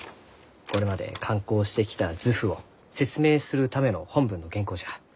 これまで刊行してきた図譜を説明するための本文の原稿じゃ。